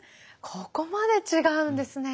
ここまで違うんですね。